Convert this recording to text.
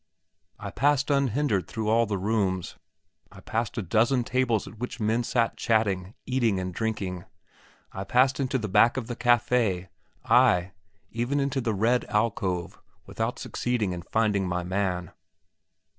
I passed unhindered through all the rooms; I passed a dozen tables at which men sat chatting, eating, and drinking; I passed into the back of the cafe, ay, even into the red alcove, without succeeding in finding my man.